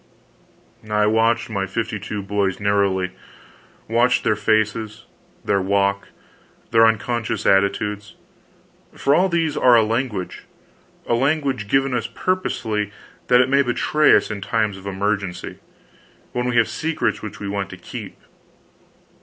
I watched my fifty two boys narrowly; watched their faces, their walk, their unconscious attitudes: for all these are a language a language given us purposely that it may betray us in times of emergency, when we have secrets which we want to keep.